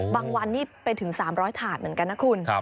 วันนี่ไปถึง๓๐๐ถาดเหมือนกันนะคุณ